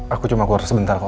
aku cuma kuartal sebentar kok